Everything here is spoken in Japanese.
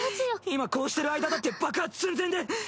今こうしてる間だって爆発寸前で。